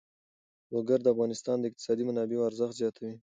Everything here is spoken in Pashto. لوگر د افغانستان د اقتصادي منابعو ارزښت زیاتوي.